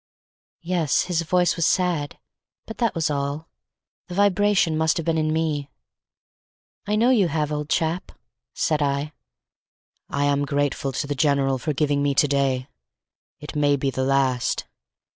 Yes, his voice was sad; but that was all; the vibration must have been in me. "I know you have, old chap," said I. "I am grateful to the General for giving me to day. It may be the last.